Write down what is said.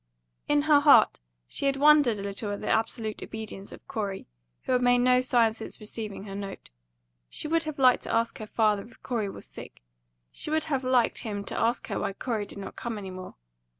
In her heart she had wondered a little at the absolute obedience of Corey, who had made no sign since receiving her note. She would have liked to ask her father if Corey was sick; she would have liked him to ask her why Corey did not come any more.